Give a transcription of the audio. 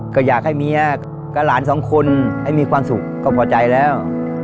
ก็อยากให้เมียกับหลานสองคนให้มีความสุขก็พอใจแล้ว